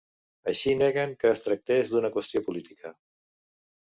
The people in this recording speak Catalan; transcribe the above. Així, neguen que es tractés d’una qüestió política.